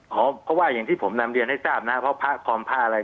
เพราะว่าอย่างที่ผมนำเรียนให้ทราบนะเพราะพระคอมผ้าอะไร